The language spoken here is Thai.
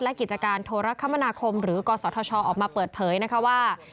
และกิจการโทรคมนาคมหรือกศธชออกมาเปิดเผยนะคะว่า